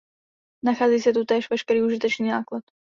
Nachází se tu též veškerý užitečný náklad.